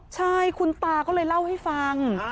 ใช่คุณตาก็เลยเล่าให้ฟัง